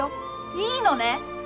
いいのね？